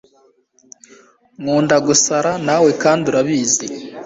nkunda gusara nawe kandi urabizi